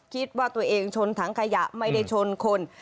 คิดว่าตัวเองชนถังขยะไม่ได้ชนคน